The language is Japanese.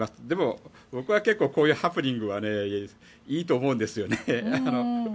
でも、僕は結構こういうハプニングはいいと思うんですよね。